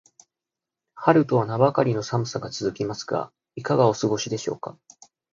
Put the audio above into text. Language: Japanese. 春とは名ばかりの寒さが続きますが、いかがお過ごしでしょうか。